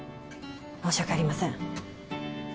申し訳ありません